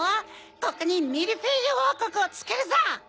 ここにミルフィーユおうこくをつくるぞ！